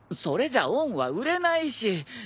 それじゃ恩は売れないし。